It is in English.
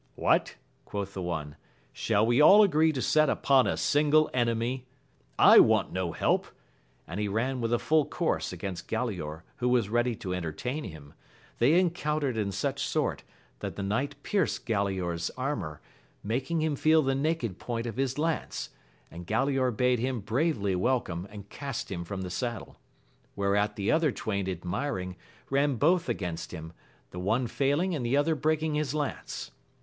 What I quoth the one, shall we all agree to set upon a single enemy ? I want no help ! and he ran with a full course against Galaor, who was ready to entertain him, they en countered in such sort, that the knight pierced Galaor*s armour, making him feel the naked point of his lance, and 'Galaor bade him bravely welcome, and cast him from the saddle. Whereat the other twain admiring, ran both against him, the one failing and the other breaking his lance.